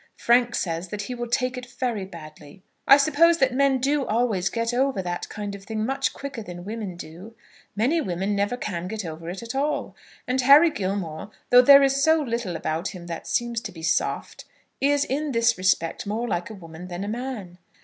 Frank says that he will take it very badly. I suppose that men do always get over that kind of thing much quicker than women do. Many women never can get over it at all; and Harry Gilmore, though there is so little about him that seems to be soft, is in this respect more like a woman than a man.